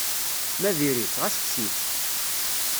Ma diri-tt, ɣas kkes-itt.